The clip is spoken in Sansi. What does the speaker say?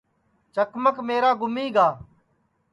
چکمک میرا گُمیگا